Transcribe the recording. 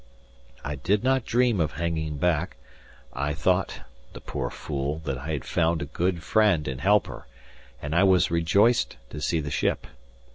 I did not dream of hanging back; I thought (the poor fool!) that I had found a good friend and helper, and I was rejoiced to see the ship.